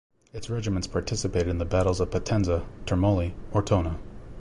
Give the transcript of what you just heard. Its regiments participated in the Battles of Potenza, Termoli, Ortona.